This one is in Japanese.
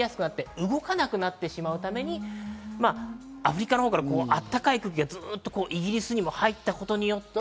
山になったところに熱気がたまりやすくなって、動かなくなってしまうために、アフリカのほうからあったかい空気がずっとイギリスにも入ったことによって。